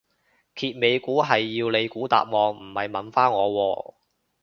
揭尾故係你要估答案唔係問返我喎